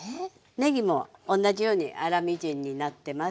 ねぎも同じように粗みじんになってます。